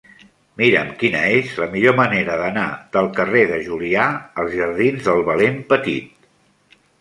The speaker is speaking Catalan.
Mira'm quina és la millor manera d'anar del carrer de Julià als jardins del Valent Petit.